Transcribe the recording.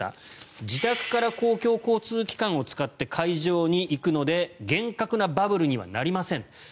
自宅から公共交通機関を使って会場に行くので厳格なバブルにはなりません。